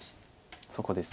そこです。